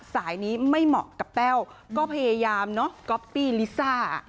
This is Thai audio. สายนี้ไม่เหมาะกับแต้วก็พยายามเนอะก๊อปปี้ลิซ่า